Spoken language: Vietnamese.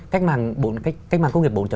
cách màng công nghiệp bốn